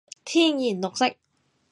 天然綠色